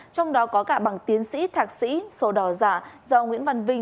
trong đó có cả bằng tiến sĩ thạc sĩ sổ đỏ giả do nguyễn văn vinh